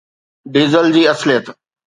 diesel جي اصليت